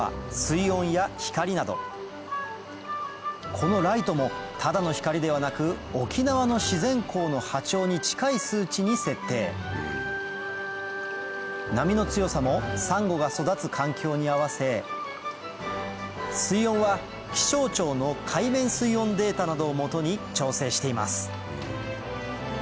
このライトもただの光ではなくに設定波の強さもサンゴが育つ環境に合わせ水温は気象庁の海面水温データなどを基に調整しています